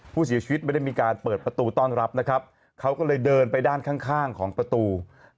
ผู้เสียชีวิตไม่ได้มีการเปิดประตูต้อนรับนะครับเขาก็เลยเดินไปด้านข้างของประตู